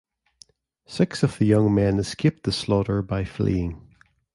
Six of the young men escaped the slaughter by fleeing.